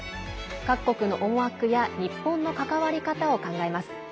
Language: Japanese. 各国の思惑や日本の関わり方を考えます。